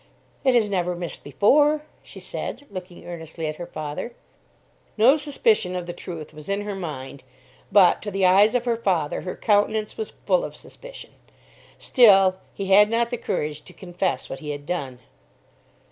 "It has never missed before," she said, looking earnestly at her father. No suspicion of the truth was in her mind; but, to the eyes of her father, her countenance was full of suspicion. Still, he had not the courage to confess what he had done.